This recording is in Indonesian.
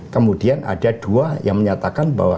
kemudian ada dua yang menyatakan bahwa